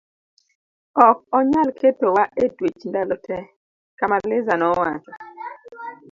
ok onyal keto wa e twech ndalo te, Kamaliza nowacho